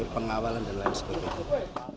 pengawalan dan lain sebagainya